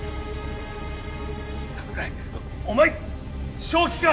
桜井お前正気か！？